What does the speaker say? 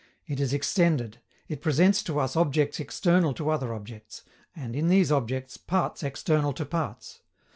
It is extended: it presents to us objects external to other objects, and, in these objects, parts external to parts.